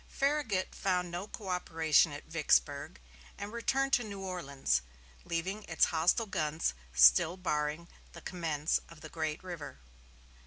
Farragut found no coöperation at Vicksburg, and returned to New Orleans, leaving its hostile guns still barring the commerce of the great river.